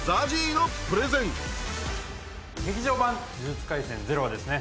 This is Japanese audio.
「劇場版呪術廻戦０」はですね